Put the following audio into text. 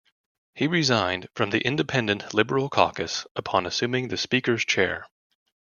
He resigned from the Independent Liberal caucus upon assuming the Speaker's chair.